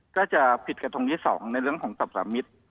ก็จะผิดกับตรงที่สองในเรื่องของตรงสามิท